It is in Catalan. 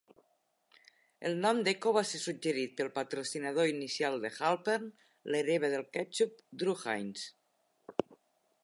El nom d'Ecco va ser suggerit pel patrocinador inicial de Halpern, l'hereva del ketchup Drue Heinz.